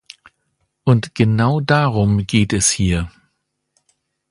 Und genau darum geht es hier.